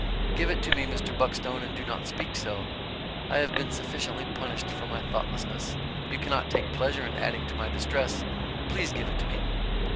"Give it to me, Mr. Buckstone, and do not speak so. I have been sufficiently punished for my thoughtlessness. You cannot take pleasure in adding to my distress. Please give it to me."